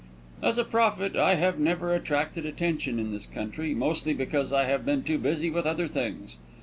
As a prophet I have never attracted attention in this country, mostly because I have been too busy with other things.